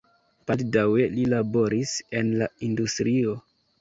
Baldaŭe li laboris en la industrio.